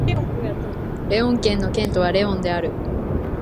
レオン県の県都はレオンである